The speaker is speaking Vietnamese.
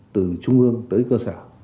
từ trung ương tới cơ sở